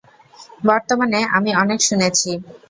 বর্তমানে --- আমি অনেক শুনেছি!